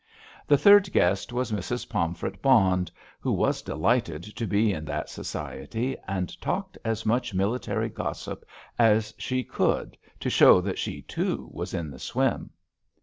The third guest was Mrs. Pomfret Bond, who was delighted to be in that society, and talked as much military gossip as she could to show that she, too, was in the swim.